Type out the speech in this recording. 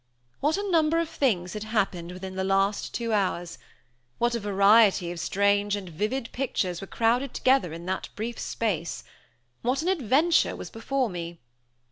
What a number of things had happened within the last two hours! what a variety of strange and vivid pictures were crowded together in that brief space! What an adventure was before me!